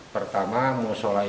pertama musola itu